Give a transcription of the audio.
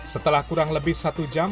setelah kurang lebih satu jam